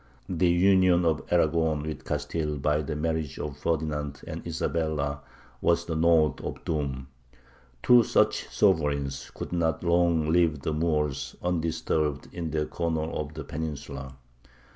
The union of Aragon with Castile by the marriage of Ferdinand and Isabella was the note of doom. Two such sovereigns could not long leave the Moors undisturbed in their corner of the peninsula.